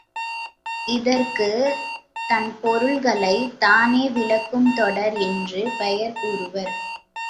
இதற்குத் தன் பொருளைத் தானே விளக்கும் தொடர் என்று பெயர் கூறுவர்.